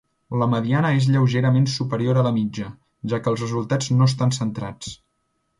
La mediana és lleugerament superior a la mitja, ja que els resultats no estan centrats.